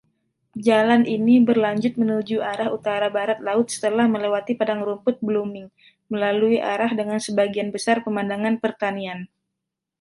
Jalan ini berlanjut menuju arah utara-barat laut setelah melewati Padang Rumput Blooming, melalui arah dengan sebagian besar pemandangan pertanian.